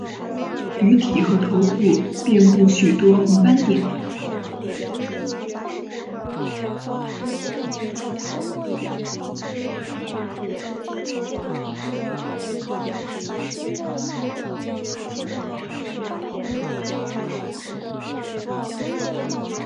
内容不时嘲笑精致艺术和章鱼哥的劳工权益想法。